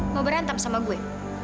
mau berantem sama gue